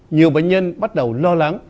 nhiều bệnh nhân bắt đầu lo lắng